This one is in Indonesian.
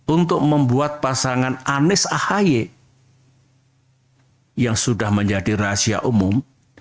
untuk membuat pasangan anies ahaye yang sudah menjadi rahasia umum